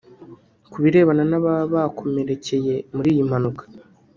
Ku birebana n’ababa bakomerekeye muri iyi mpanuka